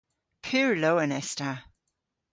Pur lowen es ta.